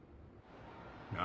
何？